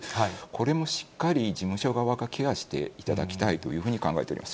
これもしっかり事務所側がケアしていただきたいというふうに考えております。